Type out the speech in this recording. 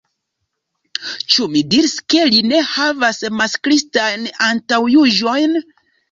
Ĉu mi diris ke li ne havas masklistajn antaŭjuĝojn?